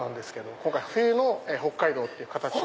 今回冬の北海道って形を。